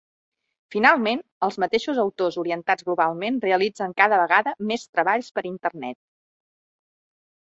Finalment, els mateixos autors orientats globalment realitzen cada vegada més treballs per Internet.